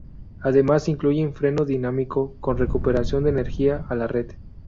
Además, incluyen freno dinámico con recuperación de energía a la red.